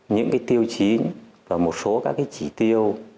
những cái tiêu chí và một số các chỉ tiêu